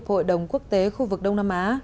hội đồng quốc tế khu vực đông nam á